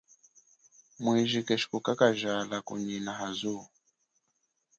Mwiji keshi nyi kukakajala kunyina ha zuwo.